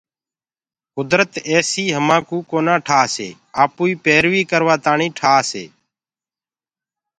ڪدرت ايسي همآنٚ ڪوُ ڪونآ ٺآسيِ آپوئيٚ پيرويٚ ڪروآ تآڻيٚ ٺآسي